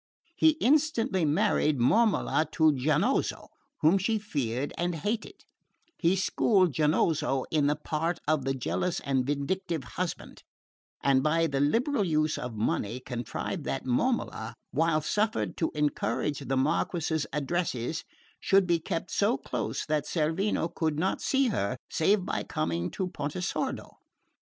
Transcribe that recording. He instantly married Momola to Giannozzo, whom she feared and hated; he schooled Giannozzo in the part of the jealous and vindictive husband, and by the liberal use of money contrived that Momola, while suffered to encourage the Marquess's addresses, should be kept so close that Cerveno could not see her save by coming to Pontesordo.